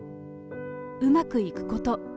うまくいくこと。